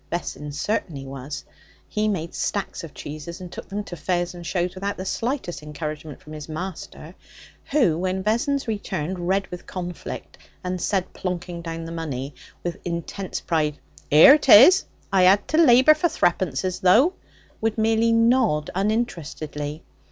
Vessons certainly was. He made stacks of cheeses, and took them to fairs and shows without the slightest encouragement from his master, who, when Vessons returned, red with conflict, and said, planking down the money with intense pride ''Ere it is! I 'ad to labour for thre'pences, though,' would merely nod uninterestedly.